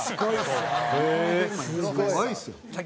すごいですよね。